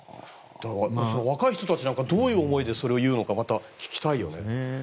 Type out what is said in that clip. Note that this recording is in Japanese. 若い人たちなんかどういう思いでそれを言うのか、聞きたいよね。